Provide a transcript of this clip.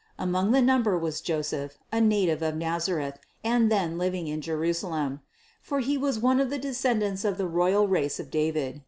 Among the number was Joseph, a native of Nazareth, and then living in Jerusalem; for he was one of the de scendants of the royal race of David.